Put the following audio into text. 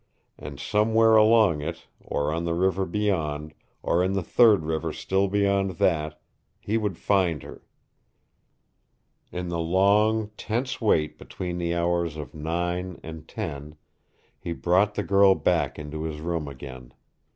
And somewhere along it, or on the river beyond, or the third river still beyond that, he would find her. In the long, tense wait between the hours of nine and ten he brought the girl back into his room again.